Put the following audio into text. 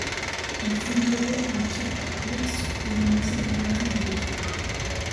Ils fonderont un kibboutz et le Musée des Combattants du Ghetto.